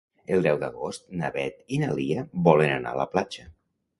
El deu d'agost na Beth i na Lia volen anar a la platja.